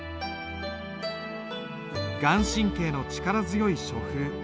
顔真の力強い書風。